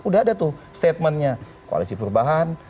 udah ada tuh statementnya koalisi perubahan